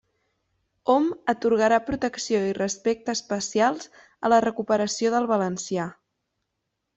Hom atorgarà protecció i respecte especials a la recuperació del valencià.